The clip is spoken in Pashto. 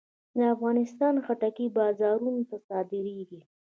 د افغانستان خټکی بازارونو ته صادرېږي.